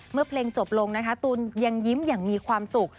เมื่อเพลงจบลงนะคะตูนยังยิ้มอย่างมีความสุข